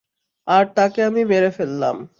আর তাকে আমি মেরে ফেললাম।